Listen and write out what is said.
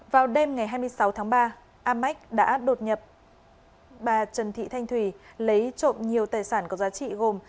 vào đêm ngày hai mươi sáu tháng ba amec đã đột nhập bà trần thị thanh thùy lấy trộm nhiều tài sản có giá trị gồm